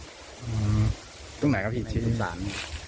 อืมตรงไหนครับหญิงเชียง